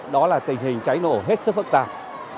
đó là tình hình cháy nổ hết sức phức tạp